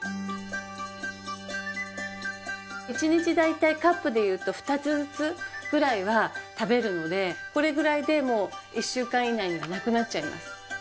一日大体カップでいうと２つずつぐらいは食べるのでこれぐらいでもう一週間以内にはなくなっちゃいます。